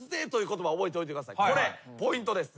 これポイントです。